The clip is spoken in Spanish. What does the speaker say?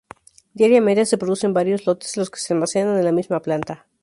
Diariamente se producen varios lotes los que se almacenan en la misma planta.